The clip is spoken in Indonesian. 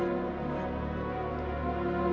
kita bakalan dapat proyek besar